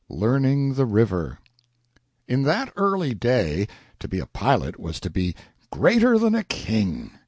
LEARNING THE RIVER In that early day, to be a pilot was to be "greater than a king."